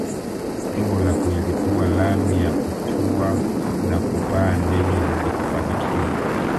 Lengo la kuilipua lami ya kutua na kupaa ndege halikufanikiwa